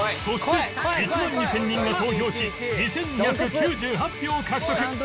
そして１万２０００人が投票し２２９８票を獲得